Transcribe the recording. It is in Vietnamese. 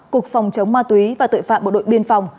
cục phòng chống ma túy và tội phạm bộ đội biên phòng